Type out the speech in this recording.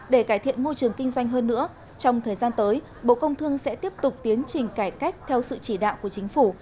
để cải thiện môi trường kinh doanh hơn nữa trong thời gian tới bộ công thương sẽ tiếp tục tiến trình cải cách theo sự chỉ đạo của chính phủ